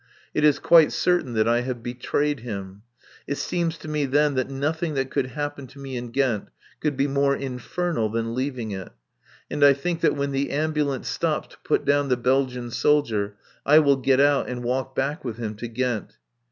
It is quite certain that I have betrayed him. It seems to me then that nothing that could happen to me in Ghent could be more infernal than leaving it. And I think that when the ambulance stops to put down the Belgian soldier I will get out and walk back with him to Ghent.